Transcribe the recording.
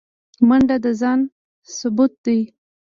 منډه د ځان ثبوت دی